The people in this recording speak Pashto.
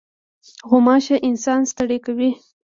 غوماشه انسان ستړی کوي.